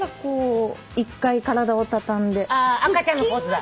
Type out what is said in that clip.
赤ちゃんのポーズだ。